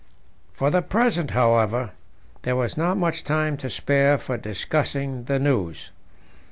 For the present, however, there was not much time to spare for discussing the news.